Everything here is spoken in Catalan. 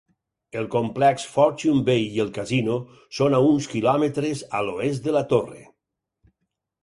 El complex Fortune Bay i el casino són a uns quilòmetres a l'oest de la torre.